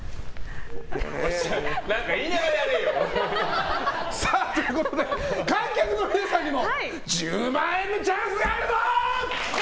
何か言いながらやれよ！ということで観客の皆さんにも１０万円のチャンスがあるぞ！